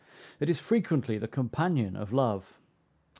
It is frequently the companion of love.